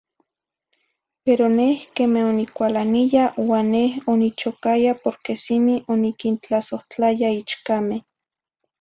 Pero neh queme onicualaniya, uan neh onichocaya porque cimi oniquintlazohtlaya ichcame.